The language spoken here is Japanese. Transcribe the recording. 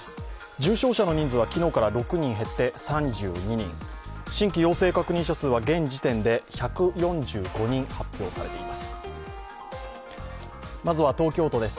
重症者の人数は昨日から６人減って３２人、新規陽性確認者数は現時点で１４５人、発表されています。